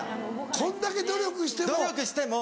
こんだけ努力しても。